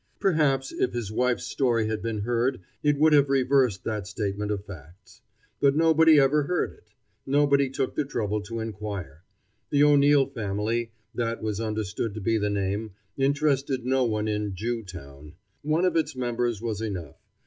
Perhaps if his wife's story had been heard it would have reversed that statement of facts. But nobody ever heard it. Nobody took the trouble to inquire. The O'Neil family that was understood to be the name interested no one in Jewtown. One of its members was enough.